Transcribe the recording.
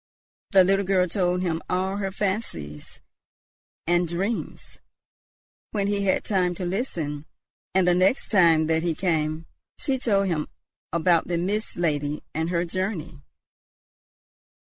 The little girl told him all her fancies and dreams, when he had time to listen; and the next time that he came, she told him about the Mist Lady and her journey.